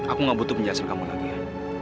aku gak butuh penjelasan kamu lagi ya